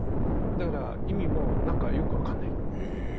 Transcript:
だから意味も何かよく分かんない。へ。